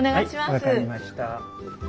はい分かりました。